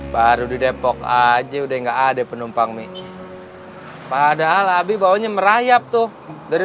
baru didepok aja udah enggak ada penumpang mi padahal abi bawanya merayap tuh dari